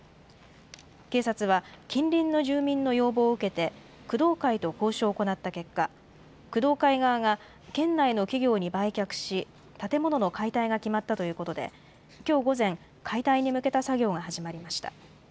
警察は、近隣の住民の要望を受けて、工藤会と交渉を行った結果、工藤会側が県内の企業に売却し、建物の解体が決まったということで、きょう午前、解体に向けた作業が始まりました。